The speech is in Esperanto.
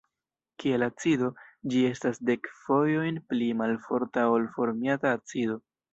Kiel acido, ĝi estas dek fojojn pli malforta ol formiata acido.